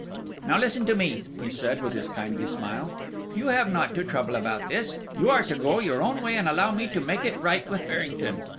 "Now listen to me," he said, with his kindly smile; "you have not to trouble about this; you are to go your own way and allow me to make it right with Farrington.